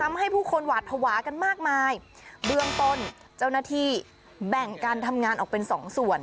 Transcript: ทำให้ผู้คนหวาดภาวะกันมากมายเบื้องต้นเจ้าหน้าที่แบ่งการทำงานออกเป็นสองส่วน